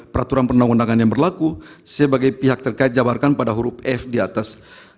peraturan perundang undangan yang berlaku sebagai pihak terkait jabarkan pada huruf f di atas